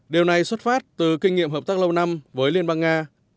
điều này xuất phát từ kinh nghiệm hợp tác lâu năm với liên bang nga